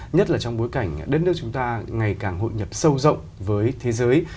nhất là trong bối cảnh đất nước chúng ta ngày càng hội nhập sâu rộng với thế giới